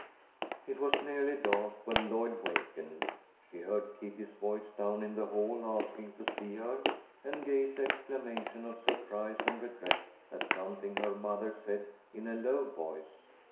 It was nearly dark when Lloyd wakened. She heard Kitty's voice down in the hall, asking to see her, and Gay's exclamation of surprise and regret at something her mother said in a low voice.